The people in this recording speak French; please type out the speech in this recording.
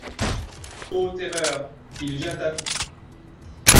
Ô terreur, il vient à vous!